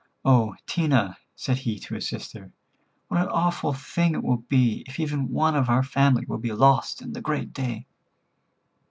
"Oh, Tena," said he to his sister, "what an awful thing it will be if even one of our family will be lost in the great day."